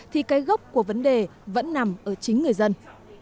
thì cái gốc của vấn đề vẫn nằm ở chính người dân